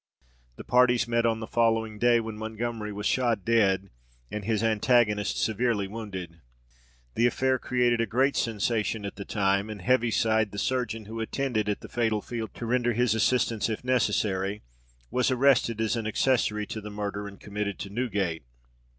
The parties met on the following day, when Montgomery was shot dead, and his antagonist severely wounded. The affair created a great sensation at the time, and Heaviside, the surgeon who attended at the fatal field to render his assistance if necessary, was arrested as an accessory to the murder, and committed to Newgate.